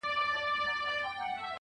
د خپل ژوند عکس ته گوري.